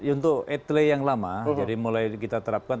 untuk etle yang lama jadi mulai kita terapkan